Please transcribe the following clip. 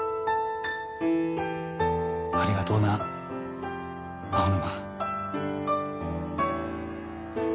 ありがとうな青沼。